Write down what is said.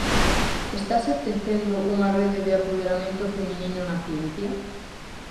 Estase tecendo unha rede de apoderamento feminino na ciencia?